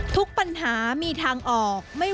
ทุกปัญหามีทางออก